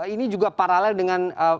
ini juga paralel dengan